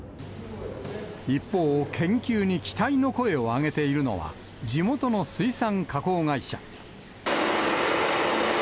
一方、研究に期待の声を上げているのは、地元の水産加工会社。